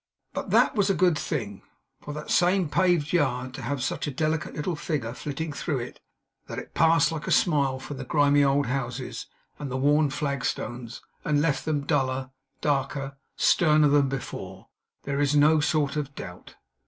But, that it was a good thing for that same paved yard to have such a delicate little figure flitting through it; that it passed like a smile from the grimy old houses, and the worn flagstones, and left them duller, darker, sterner than before; there is no sort of doubt.